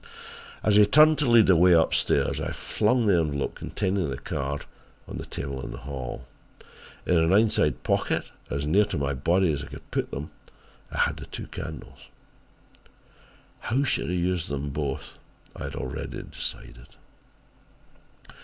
"As he turned to lead the way upstairs I flung the envelope containing the card on the table in the hall. In an inside pocket, as near to my body as I could put them, I had the two candles. How I should use them both I had already decided.